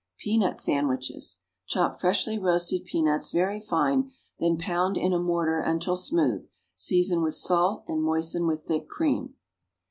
=Peanut Sandwiches.= Chop freshly roasted peanuts very fine; then pound them in a mortar until smooth; season with salt and moisten with thick cream.